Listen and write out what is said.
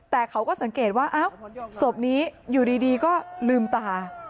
แต่เขาก็สังเกตว่าศพนี้อยู่ดีก็ลืมตา